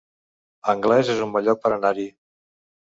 Anglès es un bon lloc per anar-hi